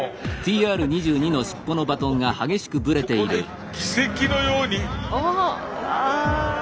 ここで奇跡のように。